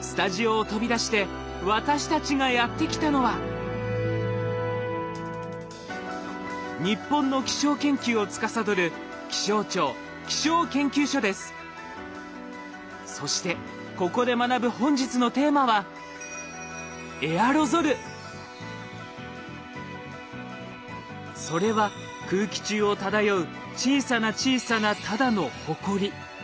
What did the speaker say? スタジオを飛び出して私たちがやって来たのは日本の気象研究をつかさどるそしてここで学ぶ本日のテーマはそれは空気中を漂う小さな小さなただのほこり。